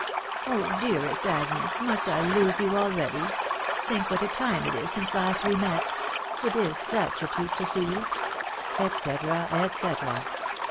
" Oh, dearest Agnes ! must I lose you ah eady ! Think what a time it is since last we met ! It is such a treat to see you :" et cetera, et cetera.